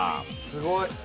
すごい。